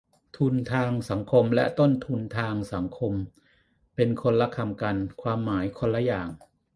"ทุนทางสังคม" และ "ต้นทุนทางสังคม" เป็นคนละคำกัน ความหมายคนละอย่าง